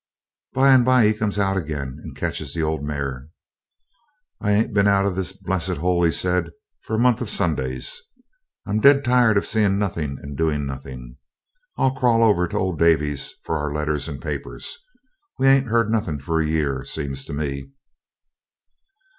By and by he comes out again and catches the old mare. 'I ain't been out of this blessed hole,' he says, 'for a month of Sundays. I'm dead tired of seeing nothin' and doin' nothin'. I'll crawl over to old Davy's for our letters and papers. We ain't heard nothing for a year, seems to me.'